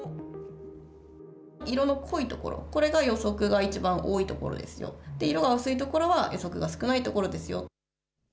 色の濃い所、これが予測が一番多い所ですよ、で、色が薄い所は予測が少ない所ですよ。